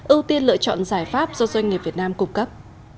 ưu tiên lựa chọn giải pháp do doanh nghiệp việt nam cung cấp